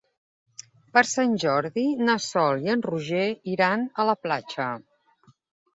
Per Sant Jordi na Sol i en Roger iran a la platja.